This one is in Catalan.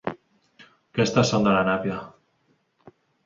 Aquestes són de la nàpia.